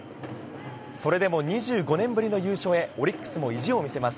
それでも２５年ぶりの優勝へオリックスも意地を見せます。